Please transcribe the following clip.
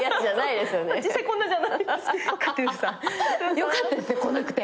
よかったですね来なくて。